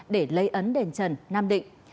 để lấy ấn đền trần nam định